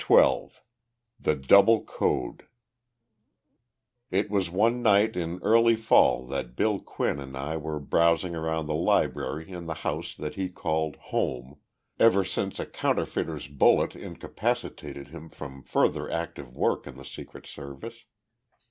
XII "THE DOUBLE CODE" It was one night in early fall that Bill Quinn and I were browsing around the library in the house that he had called "home" ever since a counterfeiter's bullet incapacitated him from further active work in the Secret Service.